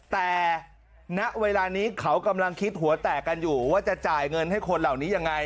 แต่ณเวลานี้เขากำลังคิดหัวแตกกันอยู่ว่าจะจ่ายเงินให้คนเหล่านี้ยังไง